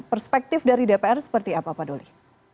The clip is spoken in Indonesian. perspektif dari dpr seperti apa pak doli